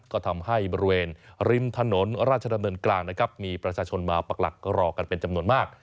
ก็ทำให้บริเวณริมถนนราชดำเนินกลางนะครับมีประชาชนมาปรักหลักรอกันเป็นจำนวนมาก